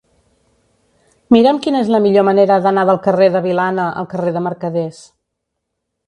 Mira'm quina és la millor manera d'anar del carrer de Vilana al carrer de Mercaders.